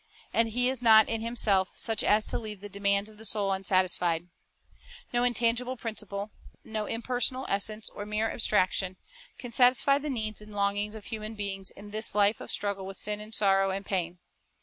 And He is not in Himself such as to leave the demands of the soul unsatisfied. No intangible principle, no impersonal essence or mere abstraction, can satisfy the needs and longings of human beings in this life of struggle with sin and sorrow and pain.